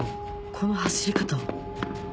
この走り方